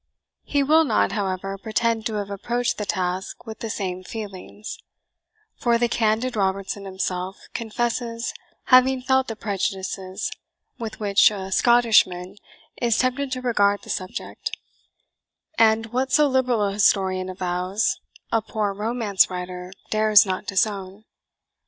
He will not, however, pretend to have approached the task with the same feelings; for the candid Robertson himself confesses having felt the prejudices with which a Scottishman is tempted to regard the subject; and what so liberal a historian avows, a poor romance writer dares not disown.